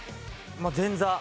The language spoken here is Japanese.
前座。